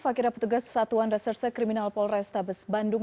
fakira petugas satuan reserse kriminal polres tabes bandung